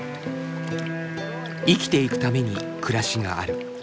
生きていくために暮らしがある。